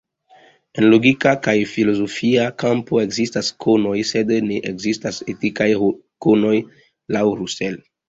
En logika kaj filozofia kampo ekzistas konoj, sed ne ekzistas etikaj konoj laŭ Russell.